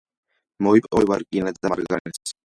მოიპოვება რკინა და მარგანეცი.